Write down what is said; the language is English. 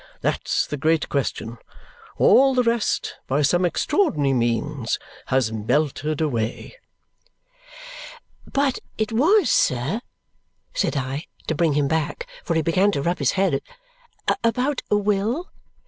That's the great question. All the rest, by some extraordinary means, has melted away." "But it was, sir," said I, to bring him back, for he began to rub his head, "about a will?"